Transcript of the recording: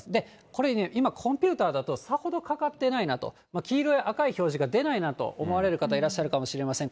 これね、今、コンピュータだと、さほどかかってないなと、黄色や赤い表示が出ないなと思われる方いらっしゃるかもしれません。